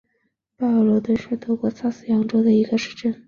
拜尔罗德是德国萨克森州的一个市镇。